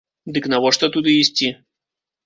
Дык навошта туды ісці?